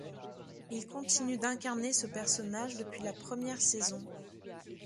Il continue d'incarner ce personnage depuis la première saison.